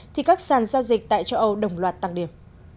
thì các sàn giao dịch tại châu âu đồng loạt tăng điểm